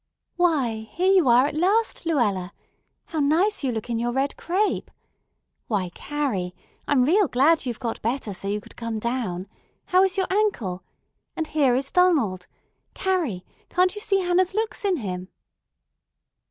"Why, here you are at last, Luella! How nice you look in your red crape! Why, Carrie, I'm real glad you've got better so you could come down. How is your ankle? And here is Donald. Carrie, can't you see Hannah's looks in him?"